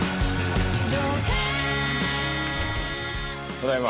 ただいま。